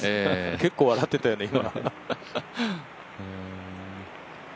結構笑ってたよね、今。